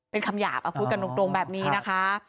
เป็นคำหยาบพูดกันตรงแบบนี้นะคะ